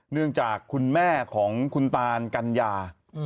เนื่องจากคุณแม่ของคุณตานกัญญา